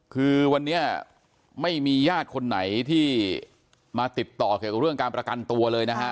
คือวันนี้ไม่มีญาติคนไหนที่มาติดต่อเกี่ยวกับเรื่องการประกันตัวเลยนะฮะ